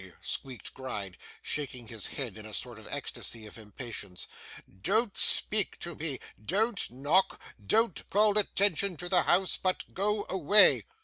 squeaked Gride, shaking his head in a sort of ecstasy of impatience. 'Don't speak to me, don't knock, don't call attention to the house, but go away.